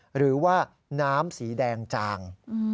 หรือว่าน้ำสีแดงจาง